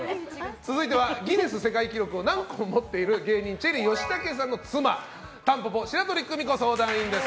続いては、ギネス世界記録を何個も持っている芸人、チェリー吉武さんの妻たんぽぽ白鳥久美子相談員です。